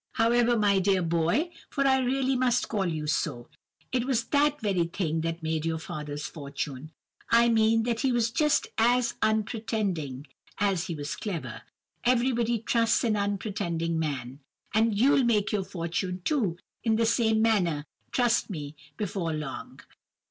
'However, my dear boy—for I really must call you so—it was that very thing that made your father's fortune; I mean that he was just as unpretending as he was clever. Everybody trusts an unpretending man. And you'll make your fortune too in the same manner, trust me, before long.